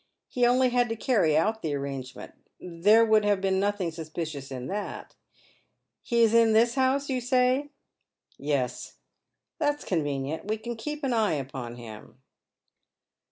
He only had to cany out the aiTangement. There would have been nothing suspicious in that. He is in this house, you say ?"" Yes." *' That's convenient. We can keep an eye upon him."